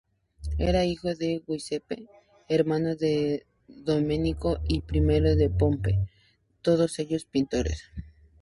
Era hijo de Giuseppe, hermano de Domenico y primo de Pompeo, todos ellos pintores.